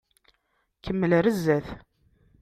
Kemmel ɣer zdat.